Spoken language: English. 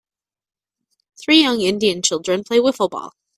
Three young indian children play wiffle ball.